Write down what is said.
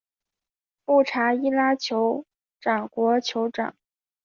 富查伊拉酋长国酋长